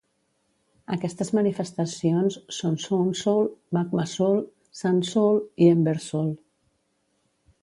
Aquestes manifestacions són Sunsoul, Magmasoul, Sandsoul i Embersoul.